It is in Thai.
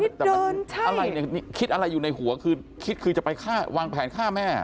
แต่มันอะไรเนี่ยคิดอะไรอยู่ในหัวคือคิดคือจะไปฆ่าวางแผนฆ่าแม่